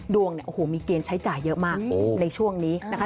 ดวงเนี่ยโอ้โหมีเกณฑ์ใช้จ่ายเยอะมากในช่วงนี้นะคะ